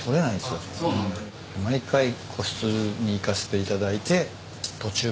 毎回個室に行かせていただいて途中から。